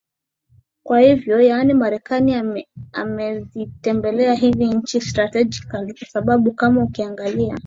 kwa hivyo yaani marekani ame amezitembelea hivi nchi strategically kwa sababu kama ukiangalia